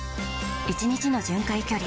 １日の巡回距離